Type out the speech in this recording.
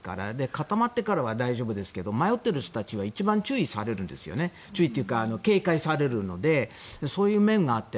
固まってからは大丈夫ですけども迷っている人たちは一番注意というか警戒されるのでそういう面があって。